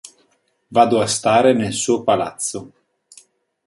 Vado a stare nel suo palazzo.